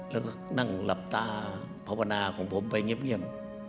แล้วก็นั่งหลับตาภาวนาของผมไปเงียบ